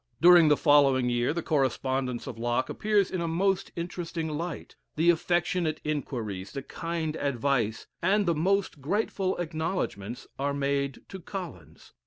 During the following year the correspondence of Locke appears in a most interesting light the affectionate inquiries, the kind advice, and the most grateful acknowledgments are made to Collins.